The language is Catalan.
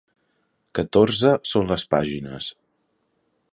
Catorze són les pàgines.